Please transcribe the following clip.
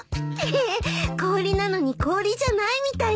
ええ氷なのに氷じゃないみたいな。